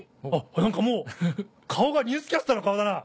何かもう顔がニュースキャスターの顔だな！